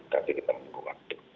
tapi kita tunggu waktu